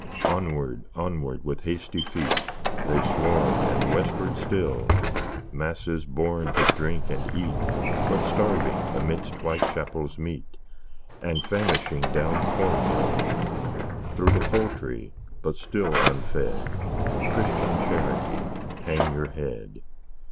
Onward, onward, with hasty feet, They swarm and westward still Masses born to drink and eat, But starving amidst Whitechapel's meat, And famishing down Cornhill! Through the Poultry but still unfed Christian Charity, hang your head!